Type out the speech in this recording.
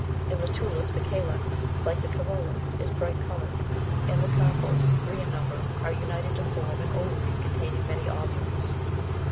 In the tulip the calyx, like the corolla, is brightly coloured, and the carpels, three in number, are united to form an ovary containing many ovules.